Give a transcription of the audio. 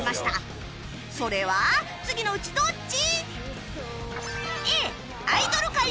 それは次のうちどっち？